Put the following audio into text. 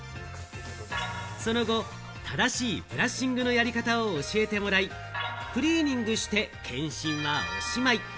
その後、正しいブラッシングのやり方を教えてもらい、クリーニングして検診はおしまい。